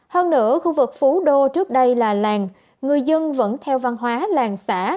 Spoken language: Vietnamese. hơn nữa khu vực phú đô trước đây là làng người dân vẫn theo văn hóa làng xã